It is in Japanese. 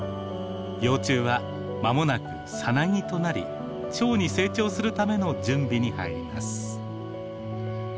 幼虫は間もなくサナギとなりチョウに成長するための準備に入ります。